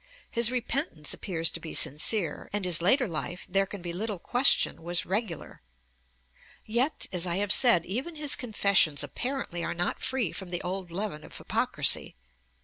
His repentance appears to be sincere, and his later life, there can be little question, was regular. Yet, as I have said, even his confessions apparently are not free from the old leaven of hypocrisy.